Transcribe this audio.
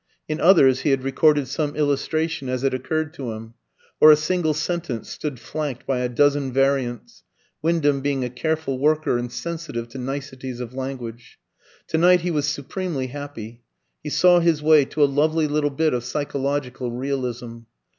In others he had recorded some illustration as it occurred to him; or a single sentence stood flanked by a dozen variants Wyndham being a careful worker and sensitive to niceties of language. To night he was supremely happy. He saw his way to a lovely little bit of psychological realism.